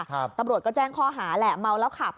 ตำรวจก็แจ้งข้อหาแหละเมาแล้วขับ